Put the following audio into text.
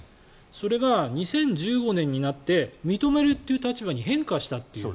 それが２０１５年になって認めるという立場に変化したという。